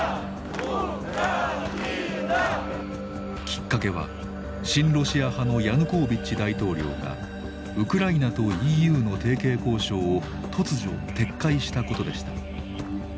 きっかけは親ロシア派のヤヌコービッチ大統領がウクライナとＥＵの提携交渉を突如撤回したことでした。